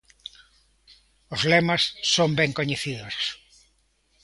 Os lemas son ben coñecidos.